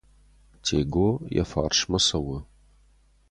Тего йӕ фарсмӕ цӕуы.